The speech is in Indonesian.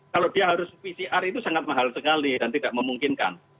kalau dia harus pcr itu sangat mahal sekali dan tidak memungkinkan